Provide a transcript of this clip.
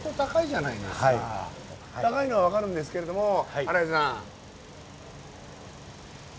高いのはわかるんですけれども新井さん。